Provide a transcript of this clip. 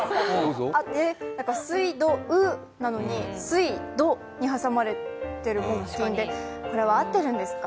「すいどう」なのに「すい・ど」に挟まれてるって、これは合ってるんですか？